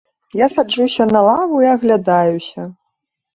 Я саджуся на лаву і аглядаюся.